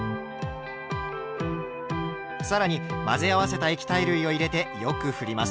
更に混ぜ合わせた液体類を入れてよくふります。